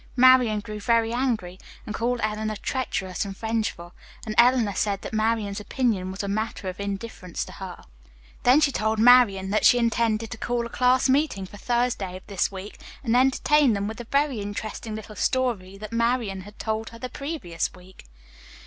Marian grew very angry, and called Eleanor treacherous and revengeful, and Eleanor said that Marian's opinion was a matter of indifference to her. "Then she told Marian that she intended to call a class meeting for Thursday of this week and entertain them with the very interesting little story that Marian had told her the previous week.